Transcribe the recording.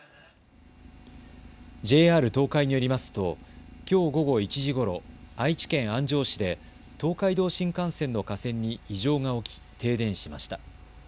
ＪＲ東海によりますときょう午後１時ごろ、愛知県安城市で東海道新幹線の架線に異常が起き停電しました。